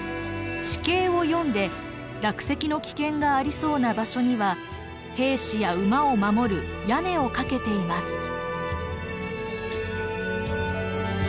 地形を読んで落石の危険がありそうな場所には兵士や馬を守る屋根をかけています。